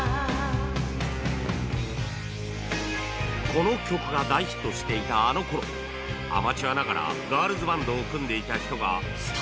この曲が大ヒットしていたあの頃アマチュアながらガールズバンドを組んでいた人がスタジオに